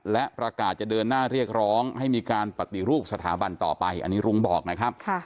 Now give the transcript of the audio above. และประกาศจะเดินหน้าเรียกร้องให้มีการปฏิรูปสถาบันต่อไปอันนี้ลุงบอกนะครับ